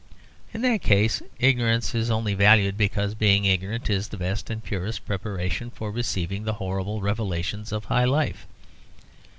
In that case, ignorance is only valued because being ignorant is the best and purest preparation for receiving the horrible revelations of high life.